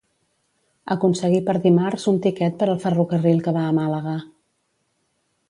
Aconseguir per dimarts un tiquet per al ferrocarril que va a Màlaga.